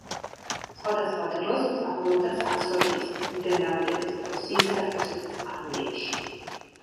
სხვადასხვა დროს მსახურობდა საქსონიის, ნიდერლანდების, პრუსიისა და რუსეთის არმიებში.